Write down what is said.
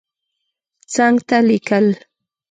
څنګ ته لیکل